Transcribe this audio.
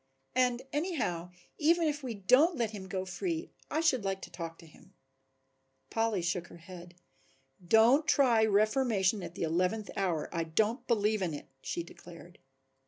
And anyhow even if we don't let him go free I should like to talk to him." Polly shook her head. "Don't try reformation at the eleventh hour, I don't believe in it," she declared.